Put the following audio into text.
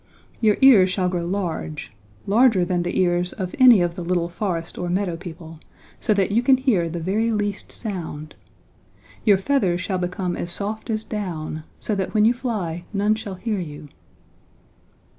Your ears shall grow large, larger than the ears of any of the little forest or meadow people, so that you can hear the very least sound. Your feathers shall become as soft as down, so that when you fly none shall hear you.'